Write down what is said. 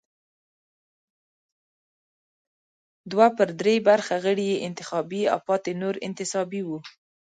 دوه پر درې برخه غړي یې انتخابي او پاتې نور انتصابي وو.